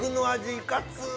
いかつ。